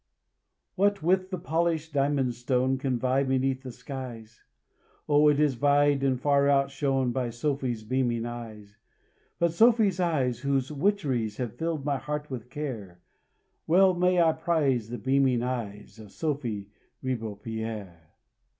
What with the polished diamond stone Can vie beneath the skies? Oh, it is vied and far outshone By Sophy's beaming eyes. By Sophy's eyes, whose witcheries Have filled my heart with care; Well may I prize the beaming eyes Of Sophy Ribeaupierre.